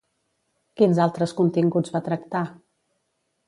Quins altres continguts va tractar?